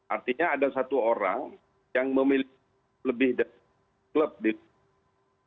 artinya ada satu orang yang memiliki lebih dari klub di indonesia